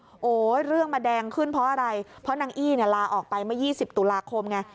เฮ้ยเรื่องมาแดงขึ้นเพราะอะไรเพราะนางอี้ละออกไปมา๒๐ตุลาคมไง